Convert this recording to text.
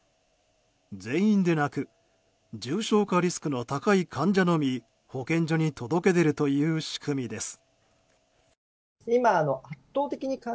全員でなく重症化リスクの高い患者のみ保健所に届け出るという仕組みです。